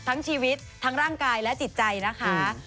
ทั้งชีวิตทั้งร่างกายและจิตใจนะคะ